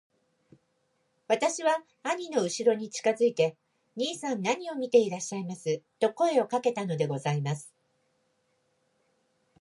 私は兄のうしろに近づいて『兄さん何を見ていらっしゃいます』と声をかけたのでございます。